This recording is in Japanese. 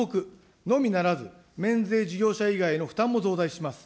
のみならず、免税事業者以外の負担も増大します。